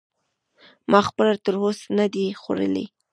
ما خپله تر اوسه نه دی خوړلی.